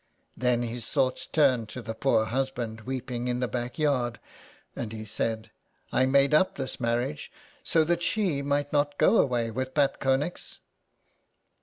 Then his thoughts turned to the poor husband weeping in the backyard, and he said :—'' I made up this marriage so that she might not go away with Pat Connex."